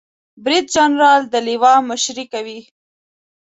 بریدجنرال د لوا مشري کوي